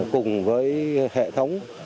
cùng với hệ thống